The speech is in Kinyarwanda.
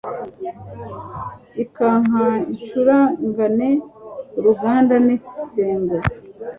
Ikanka incuragane urugunda n'Insengo